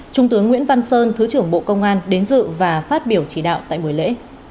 trung tướng nguyễn văn sơn thứ trưởng bộ công an đến dự và phát biểu chỉ đạo tại buổi lễ